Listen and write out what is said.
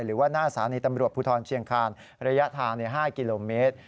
หรือว่าหน้าสถานีตำรวจภูทรเชียงคานระยะทาง๕กิโลเมตร